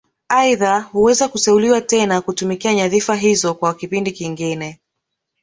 Aidha huweza kuteuliwa tena kutumikia nyadhifa hizo kwa kipindi kingine